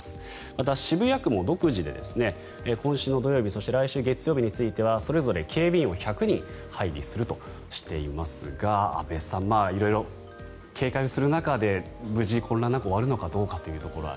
また、渋谷区も独自で今週の土曜日そして来週月曜日についてはそれぞれ警備員を１００人配備するとしていますが安部さん色々警戒をする中で無事、混乱なく終わるのかどうかというところが。